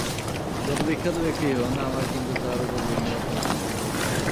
যত বিখ্যাত ব্যক্তিই হোন, আমার কিন্তু তাঁর উপর বিন্দুমাত্র ভক্তি-শ্রদ্ধা হচ্ছে না।